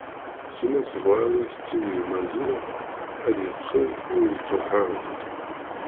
Sima tebɣa ad as-tini i Maziɣ ad yeqqim ur yettruḥ ara.